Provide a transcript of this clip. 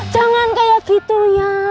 jangan kayak gitu ya